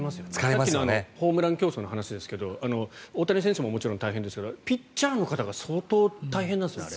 さっきのホームラン競争の話ですけど大谷選手ももちろん大変ですがピッチャーの方が相当大変なんですよね。